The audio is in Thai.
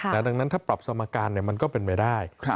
ดังนั้นถ้าปรับสมการมันก็เป็นไปได้